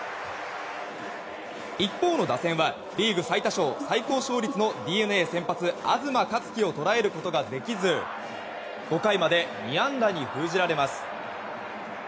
一方の打線はリーグ最多勝、最高勝率のＤｅＮＡ先発、東克樹を捉えることができず５回まで２安打に封じられます。